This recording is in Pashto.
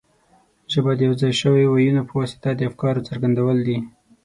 ژبه د یو ځای شویو وییونو په واسطه د افکارو څرګندول دي.